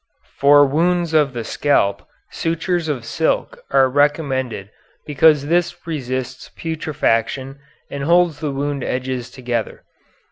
For wounds of the scalp sutures of silk are recommended because this resists putrefaction and holds the wound edges together.